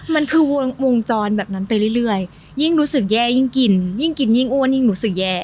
มันคือวงจรแบบนั้นไปเรื่อยยิ่งรู้สึกแย่ยิ่งกินยิ่งกินยิ่งอ้วนยิ่งรู้สึกแย่